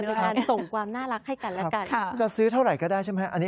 เป็นการส่งความแน่ลักให้กันแล้วกัน